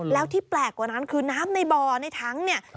แล้วที่แปลกกว่านั้นคือน้ำในบ่อในถังเนี่ย